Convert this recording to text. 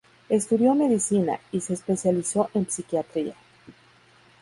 Estudió medicina, y se especializó en psiquiatría.